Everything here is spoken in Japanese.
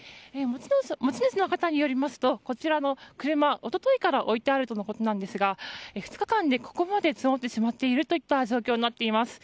持ち主の方によりますとこちらの車、一昨日から置いてあるとのことなんですが２日間でここまで積もっている状況になっています。